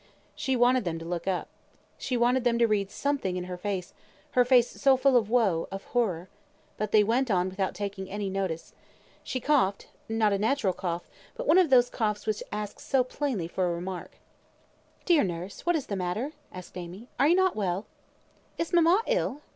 She wanted them to look up. She wanted them to read something in her face her face so full of woe, of horror. But they went on without taking any notice. She coughed; not a natural cough; but one of those coughs which ask so plainly for remark. "Dear nurse, what is the matter?" asked Amy. "Are not you well?" "Is mamma ill?"